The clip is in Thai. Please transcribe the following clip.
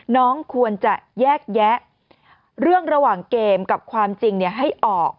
น้องควรจะแยกแยะเรื่องระหว่างเกมกับความจริงให้ออก